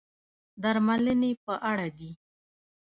درملنې په اړه دي.